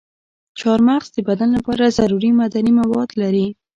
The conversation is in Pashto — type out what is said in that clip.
چارمغز د بدن لپاره ضروري معدني مواد لري.